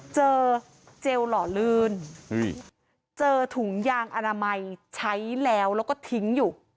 เจอเจลหล่อลื่นเจอถุงยางอนามัยใช้แล้วแล้วก็ทิ้งอยู่